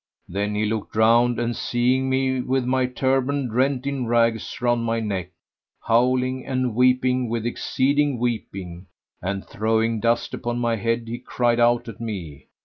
'" Then he looked round and seeing me with my turband rent in rags round my neck, howling and weeping with exceeding weeping and throwing dust upon my head, he cried out at me.